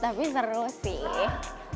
tapi seru sih